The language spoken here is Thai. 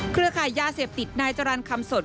เครือขายยาเสพติดนายจรรย์คำสด